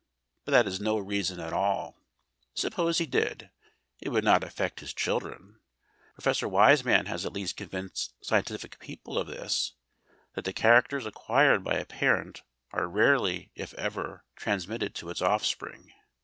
But that is no reason at all. Suppose he did, it would not affect his children. Professor Weismann has at least convinced scientific people of this: that the characters acquired by a parent are rarely, if ever, transmitted to its offspring.